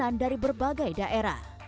dan dari berbagai daerah